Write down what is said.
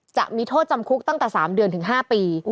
จะมีโทษจำคุกตั้งแต่๓เดือนถึง๕ปี